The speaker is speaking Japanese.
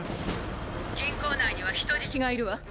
銀行内には人質がいるわ。